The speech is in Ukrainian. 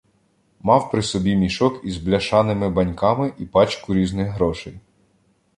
Мав при собі мішок із бляшаними баньками і пачку різних грошей.